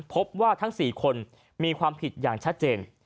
พบว่าทั้ง๔คนมีความผิดอย่างชัดเจน